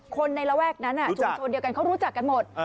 ในระแวกนั้นชุมชนเดียวกันเขารู้จักกันหมด